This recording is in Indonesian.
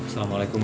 salma bulenya siapa